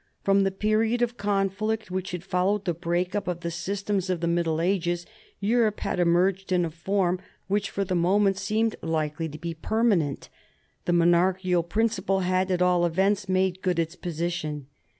From the period of conflict which had followed the break up of the systems of the Middle Ages Europe had emerged in a form which for the moment seemed likely to be permanent. The monarchical principle had at all events made good its position.